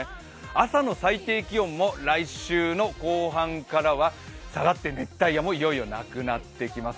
朝の最低気温も来週の後半からは下がって熱帯夜もいよいよなくなってきます。